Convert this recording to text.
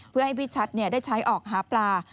เพื่อให้พี่ชัดได้ใช้ออกหาปลา